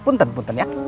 punten punten ya